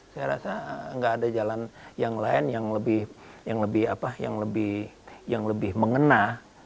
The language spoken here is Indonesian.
saya rasa nggak ada jalan yang lain yang lebih mengena